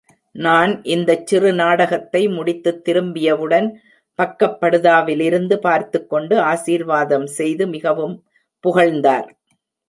நான் இந்தச் சிறுநாடகத்தை முடித்துத் திரும்பியவுடன், பக்கப்படுதாவிலிருந்து பார்த்துக் கொண்டு ஆசீர்வாதம் செய்து மிகவும் புகழ்ந்தார்!